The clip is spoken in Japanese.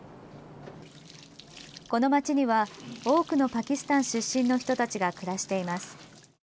この街には多くのパキスタン出身の人たちが暮らしています。